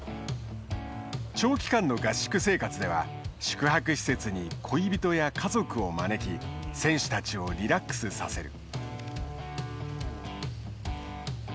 長期間の合宿生活では宿泊施設に、恋人や家族を招き選手たちをリラックスさせる。